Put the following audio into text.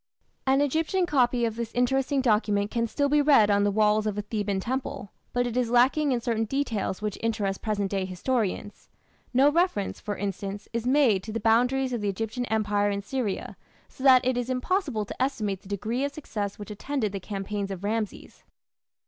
An Egyptian copy of this interesting document can still be read on the walls of a Theban temple, but it is lacking in certain details which interest present day historians. No reference, for instance, is made to the boundaries of the Egyptian Empire in Syria, so that it is impossible to estimate the degree of success which attended the campaigns of Rameses.